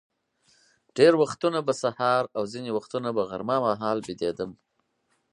ډېر وختونه به سهار او ځینې وختونه به غرمه مهال بېدېدم.